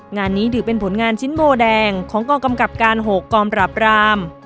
งานนี้ถือเป็นผลงานชิ้นโบแดงของกองกำกับการ๖กองปราบราม